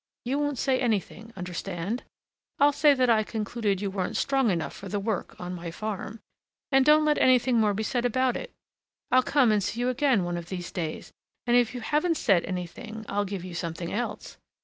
you won't say anything, understand? I'll say that I concluded you weren't strong enough for the work on my farm. And don't let anything more be said about it. I'll come and see you again one of these days, and if you haven't said anything, I'll give you something else.